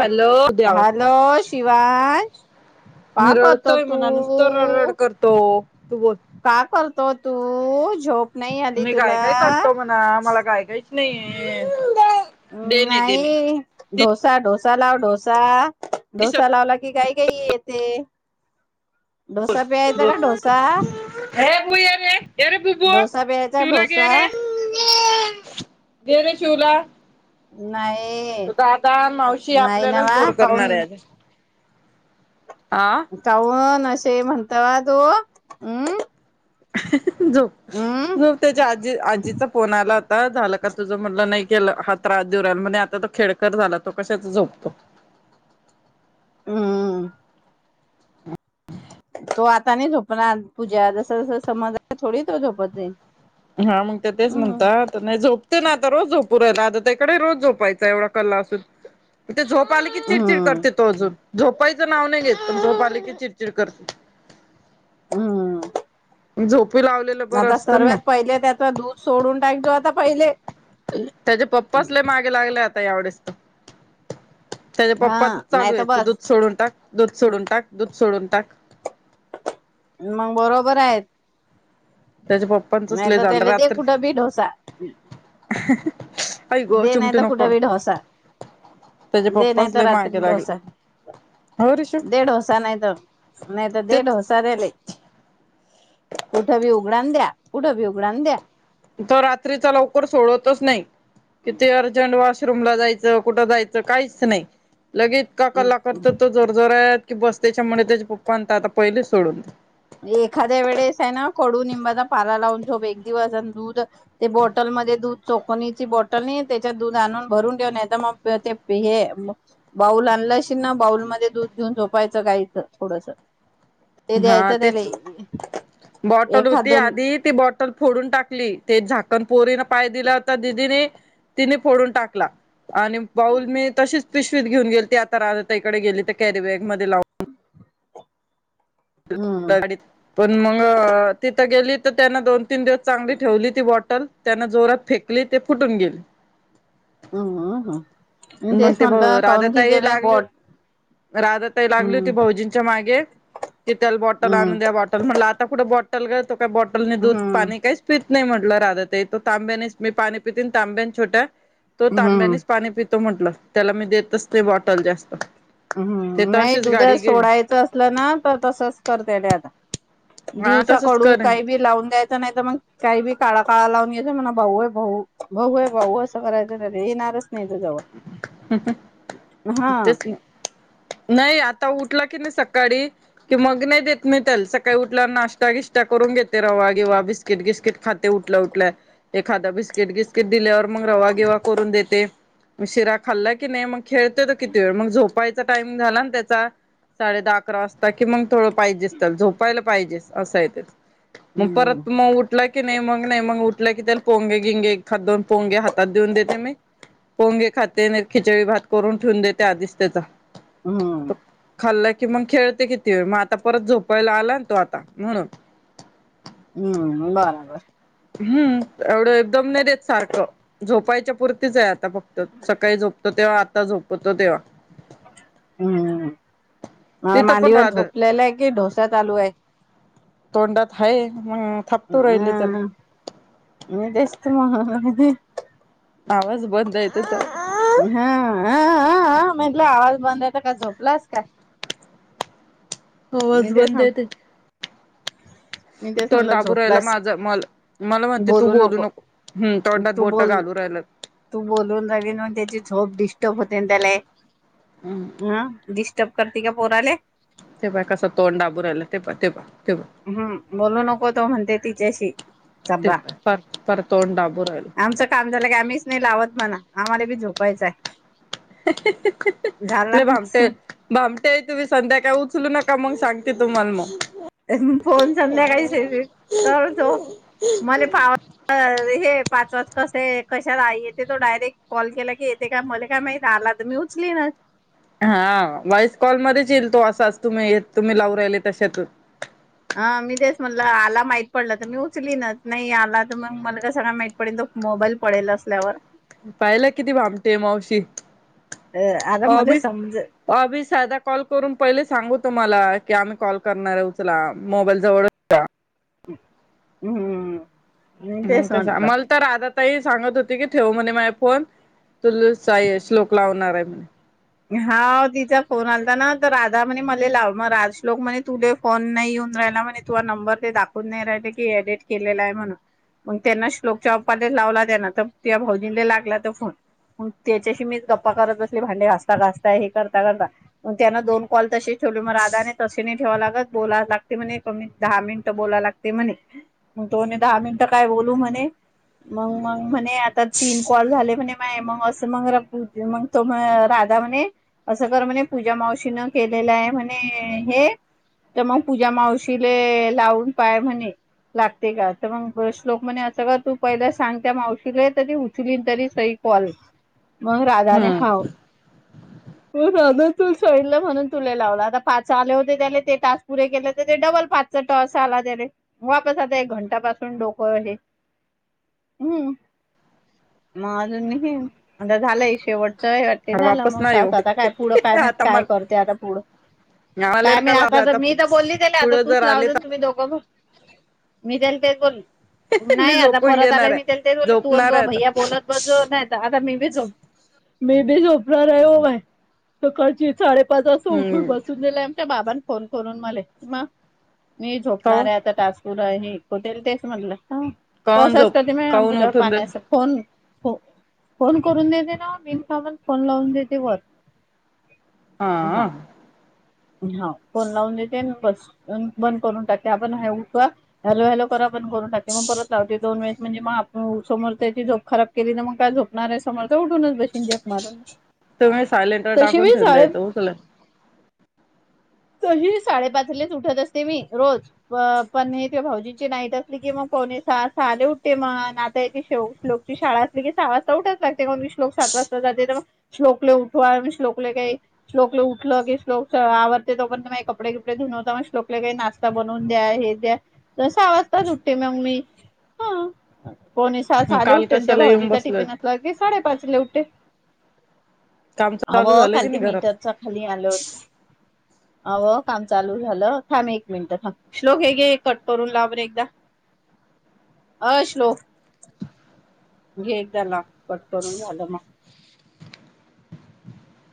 Hello उद्या आवाज hello Shivansh. का मी करतो रडतोय तू? म्हणा नुसतं रडरड करतो तू बोल का करतो तू? ज मी गाई गाई करतो म्हणा मला गाई गाईचं नाही येतं. नाही ति ढोसा ढोसा लाव ढोसा ढोसा दिसत लावला की गा ई येतेे ढोसा प्यायचा का ढोसा? ए बू येरे येरे बुबू प्यायचा शिवला घे डोसा रे. घेरे शिवला. नाही तो दादा, मावशी नाही ना आपल्यालाच वा बोर काऊन करणारय आता. काऊण अशे म्हणतो ओ तू? हम्म. झोप हम्म झोप त्याच्या आजी आजीचा फोन आला आ झालं का तुझं म्हणलं नाही केलं, हा त्रास देऊ राहीला म्हणे आता तर खेळकर झाला तो कशाचा झोपतो. हम्म. तो आता नाही झोपणार पूजा जस जस समज येईल थोडी तो झोपत जाईल. हा मग ते तेच हम्म म्हणतात नाही झोपते ना आता रोज झो पुरा राधाताईकडे रोज झोपायचा एवढा कल्ला असून. ते झोप आली की चिडचिड हम्म करते तो अजून झोपायच नाव नाही घेत. की चिडचिड करतो हम्म. लावलेलं बरं आता असतं ना मग सर्वात पहिले त्याच दूध सोडून टाकजो आता पहिलें. त्याचे पप्पाच लय मागे लागले आता यावेळेस त त्याच्या हा पप्पाच नाही चालू तर ये तु दूध बस सोडून टाक दूध सोडून टाक दूध सोडून टाक. मग बरोबर आहेत. त्याच्या पप्पांचच नाही लय त झालं त्याले ते रात्री कुठं बी ढोसा. आई गो दे नाही चिमटी त नको कुठं बी ढोसा. त्याचे दे नाही पप्पाच त लय मागे रात्री लागले ढोसा. हो रिशू दे ढोसा नाही तर नाहीत तेच ढोसा त्याले. कुठं बी उघडा न द्या, कुठं बी उघडा न द्या. तो रात्रीचा लवकर सोडतच नाही किती अर्जंट अ बाथरूम ला जायच कुठं जायचं काहीच नाही, लगे इतका कल्ला करतो तो जोर जोरात. की बस त्यांच्यामुळे त्याच्या पप्पा म्हनता आता पहिले सोडून दे एखाद्या वेळेस आहे ना कडू निंबाचा पाला लावून झोप एक दिवस आण दूध ते बॉटल मध्ये दूध चोकनीची बॉटल नाही येत त्याच्यात दूध आणून भरून ठेव नाही तर मग ते प हे बाऊल आणला आशिल ना बाऊल मध्ये दूध घेऊन झोपायचं गाईचं थोडंसं. हा तेच बॉटल एखाद होती दोन आधी ती बॉटल फोडून टाकली ते झाकण पोरीने पाय दिला होता दिदीने तिने फोडून टाकला. आणि बाऊल मी तशीच पिशवीत घेऊन गेलती आता राधाताई कडे गेली त कॅरी बॅग मध्ये ला [inaudible] हम्म गाडीत पण मगं ते त गेली तर त्यांन दोन तीन दिवस चांगली ठेवली ती बॉटल त्यान जोरात फेकली ते फुटून गेली. अ हां मग ते भा राधाताई लागली बॉट राधाताई लागली हम्म होती भाौजींच्या मागे. कि त्याल बॉटल हम्म आणून द्या बॉटल म्हटलं आता कुठं बॉटल ग तो का बॉटलने दूध हम्म पाणी काहीच पीत नाही म्हटल राधा ताई तो तांब्यानीच मी पिते न तांब्या छोट्या तो हम्म तांब्यानीच पाणी पीत तो म्हंटलं त्याला मी देतच ते बॉटल जास्त. ते हम्म तर नाही अशीच दुध गाडी घे सोडायचं असलं ना तर तसच करते ते आता. हा दिवसा तसच कडू करेन काही बी लावून द्यायचं नाही तर, मगं काही बी काळा काळा लावून घ्याय म्हणा भाऊ आहे भाऊ भाऊ आहे भाऊ असं करायचं त येणारच. नाही जवळ हा... तेच नाही आता उठला की नाही सकाळी कि मग नाही देत नाही त्याला सकाळी उठला नाश्ता वि.. करून घेते रवा बिवा बिस्किट बिस्कीट उठल्या उठल्या एखाद्या बिस्कीट दिल्यावर... मग रवागेवा करून देते.. शिरा खाल्ला की नाही मग खेळते त किती वेळ मग झोपायचा टाइम झाला ना त्याचा.. साडे दहा अकरा वाजता कि मग थोडं पाहिजेस त्या झोपायला पाहिजे असा येत... म हम्म परत मग उठल क नै मग नई मग उठल कि नाही पोंगे ग हिंग एक हातो पोंगे हात.. त देऊन देते मी.. पोंगे खाते आणि खिचडी भात करून ठेवून देते आधीच त्याचा हम्म खाल्ला.. कि मग खेळते किती वेळ मग आता परत झोपायला आला ना तो आता म्हणून.. हम्म बरोबर.. हम्म एवढं एकदम नाही देत सारखं झोपायच्या पुरतीच आहे आता फक्त... सकाळी झोपतो तेव्हा आता झोपतो तेव्हा.. हम्म मला तिथं पण मांडीवर राध झोपलेला आहे कि ढोस्या चालू आहे. तोंडात हा मग थापतू राहिले त्याला.. हम्म मी तेस् मग.. आवाज बंद आहे त्याचा हाहाहा... हा हा म्हटलं आवाज बंद आहेेत काय झोपलाच का... आवाज बंद आहे त्याचा... तेच म्हणलं तोंडाबू राहिला झोपलास माझं म मला म्हणते तू बोलू नको हम तोंडात तू बोट बोल घालू राहिला... तू बोलून रावीन म्हून त्याची झोप डिस्टर्ब.. होते त्याला हम्म ह डिस्टर्ब करते का पोराले... ते पहा कसं तोंड दाबू राहिलं ते पहा ते पहा हम्म बोलू नको तो म्हणते तिच्याशी ते चबबा.. पाय पार पार तोंड दाबू राहिलं आमचं काम झालं की आम्हीच नाही लावत म्हणा आम्हाला बी झोपायचं आहे... झाला भामट आमचं भाम.... ते तुम्ही संध्याकाळी उचलू नका मग सांगते तुम्हाला मग... फोन संध्याकाळी से तरच हो.. मला पा हे पाच वाजता... कसे कशात येते तो डायरेक्ट कॉल केला की येते का मला काय माहीत आला तर मी उचलीनाच.... हा वॉइस कॉलमध्येध्येच येईल तो असाच तुम्ही तुम्ही लावू राहिले तशतच.... ह मी तेच म्हटलं आला माहीत पडलं तर मी उचलीन नाही आला तर मग मला का सगळना माहीत पडेल. मोबाईल पडेल असल्यावर.. पाहिलं किती भामटे मावशी.. आता अ मला समज मीमी साधा कॉल करून पहिले सांगू तुम्हाला की आम्ही कॉल करणार आहे उचला मोबाईल जवळ.. हम्म.. मी मग तेच तस म्हटलं मल तर आता... ता सांगत होती की ठेव म्हणे माझ फोन तुलाच श्लोक लावणार आहे म्हणे.. हा तिचा फोन आलता ना तर राधा म्हणे मला लाव मग राजलोक म्हणे तुले फोन नाही येऊन... म्हणे तु नंबर ते दाखवून नाही राहि की एडिट केलेला आहे म्हणून. मग त्यांना श्लोकच्या बापाला लावला त्यांना तर त्या भाऊजंला लागला तर फोन... त्याच्याशी मीच गप्पा करत असले भांडे घासते..... घासता हे करता करता पण त्यान दोन कॉल तशी ठेवली मग राधाने तशी ठेवा लागत बोला लाग. ते म्हणे क दहा मिनिटं बोला लागते म्हणे मग तो दहा मिनिटं काय बोलू म्हणे... मग मग म्हणे आता तीन कॉल झाले म्हणे मग अस मग मग तो... म्हणे असं कर म्हणे पूजा मावशी न केलेलं आहे म्हणे हे... तर मग पूजा मावशीले लावून पाय म्हणे... लागते का तर मग श्लोक म्हणे असं का तू पहिल्या सांगते मावशीला तरी उचली तरी स... पल मग राधाने हाव. हम्म हो न तू शलं म्हणून तुला लावला आता पाच आले होते, त्या ते टास्क पुरे केले ते डबल पाच. टॉस आला त रे वापस आता एक घंटापासून डोको हे. हम् मग अजून आ झालाय शेवट. चट ते झालं वापस मग नाही येऊ तसं आता काय पुढं काय म्ह आता काय मला करते आता पुढं. आले काय म का लाव आता मी तर बोलली गेले आता पुढे तूच जर लाव आले दे तर तुम्ही दोघं. मी त्याल ते बोल मी नाही आता झोपून परत आला घेणार आहे. मी ते ते बोल तू झोपणार तु आहे आता भैया बोलत बस नाही. आता मी बी झ मी बी झोपरा रोय त कर्ची साडे. स उठून हम्म बसून गेलंय आमच्या बाबांनी फोन करून मला म. मी झोपणार काऊन आहे आता टासपूर हेक होते तेच म्हटलं. हा काऊन तसंच झोप कध म काऊन बुडावर उठून दे पाण्याचां फोन हो फोन करून देते ना मीन सामान फोन लावून देते व. हा. हा फोन लावून देते बस बंद करून टाके आपण हे उठवा हलो हलो करा. ण करून खाते मग परत लावते दोन वेळेस म्हणज मग आप समोर त्याची झोप खराब केली मग काय झोपणार आहे समोर. तेवडूनच बसन जप मारून. तुम्ही सायलेंटवर तशी टाकून बी ठेवून साडे दयेतो उकल. [unintelligible] तशी साडेपाचलेच उठत असते, मी रोज पण हे भाऊजींची नाईट असली कि मग. ले उठते मण आताोकची शाळा असली की सहा वाजता उठच लागतेण शोलोक साज. तर मग श्लोकले उठवा श्लोकले काही स््लोकले उठलं की स्लोक. आवडते तो पर्ंत मा कपडे कपडे धुनवता म लोकले काही नाश्ता बनवून द्या हे द्या तसंव. ता चुटे म म्मी हा. कोणी स सहाले काल उठे त्या कशाला येऊन भाऊजीचा टिफिन बसलत असला की साडेपाच ला उठते. काम चालू हवं झालं काल की ते नाही घरात मीटरचा खाली आलं होतं. अवं काम चालू झालं थांब एक मिनिट थांब श्लोक हे घे कट करून लाबर एकदा. अ श्लोक. घे एक दा लाव कट करून झालं मग.